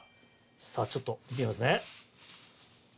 ちょっと見てみますね。